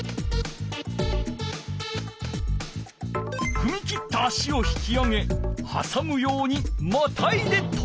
ふみ切った足を引き上げはさむようにまたいでとびこえる。